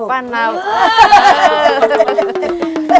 ป้าเนา